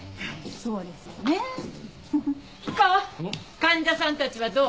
彦患者さんたちはどう？